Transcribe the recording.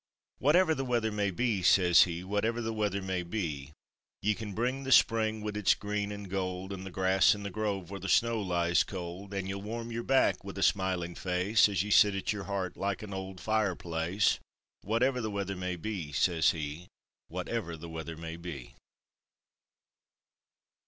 "Whatever the weather may be," says he "Whatever the weather may be, Ye can bring the spring, wid its green an' gold, An' the grass in the grove where the snow lies cold, An' ye'll warm your back, wid a smiling face, As ye sit at your heart like an owld fireplace, Whatever the weather may be," says he, "Whatever the weather may be!"